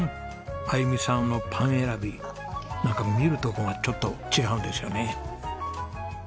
あゆみさんのパン選びなんか見るとこがちょっと違うんですよね。